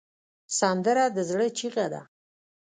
سندره د زړه چیغه ده